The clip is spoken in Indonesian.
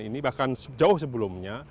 ini bahkan jauh sebelumnya